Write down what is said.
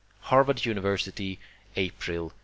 Harvard University, April, 1907.